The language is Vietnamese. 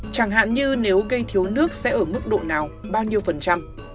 chẳng hạn như nếu gây thiếu nước sẽ ở mức độ nào bao nhiêu phần trăm